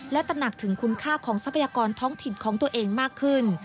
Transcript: และตระหนักถึงคุณค่าของทรัพยากรท้องถิ่นของตัวเองมากขึ้น